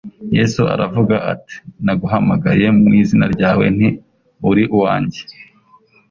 Yesu aravuga ati: «Naguhamagaye mu izina ryawe nti: uri uwanjye.»